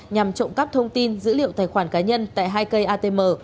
nhằm trộm cắp thông tin dữ liệu tài khoản cá nhân tại hai cây atm